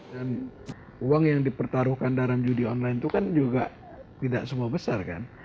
dan uang yang dipertaruhkan dalam judi online itu kan juga tidak semua besar kan